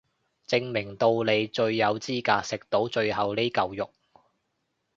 證明到你最有資格食到最後呢嚿肉